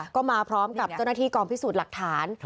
ก็มาพร้อมกับเจ้าหน้าที่กองพิสูจน์หลักฐาน